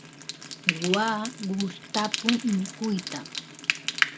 waa gustapun mikuyta